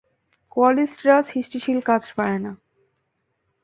কোয়ালিস্টরা সৃষ্টিশীল কাজ পারে না।